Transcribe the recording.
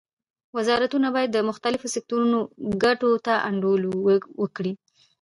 وزارتونه باید د مختلفو سکتورونو ګټو ته انډول ورکړي